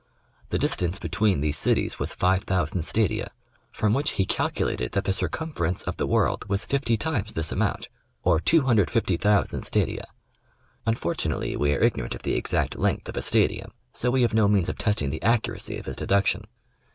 The distance between these cities was 5000 stadia, from which he calculated that the circumference of the world was fifty times this amount, or 250,000 stadia. Un fortunately we are ignorant of the exact length of a stadium, so we have no means of testing the accuracy of his deduction.